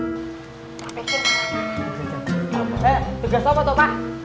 saya tugas apa tuh pak